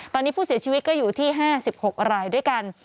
ตอนนี้ผู้เสียชีวิตก็อยู่ที่๕๖รายด้วยกัน